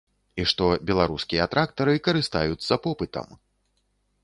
І што беларускія трактары карыстаюцца попытам.